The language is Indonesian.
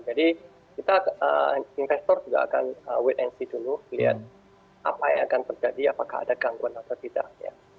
jadi kita investor juga akan wait and see dulu lihat apa yang akan terjadi apakah ada gangguan atau tidak ya